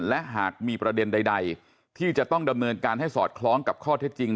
และหากมีประเด็นใดที่จะต้องดำเนินการให้สอดคล้องกับข้อเท็จจริง